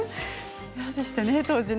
そうでしたね、当時。